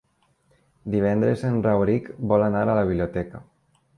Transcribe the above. Divendres en Rauric vol anar a la biblioteca.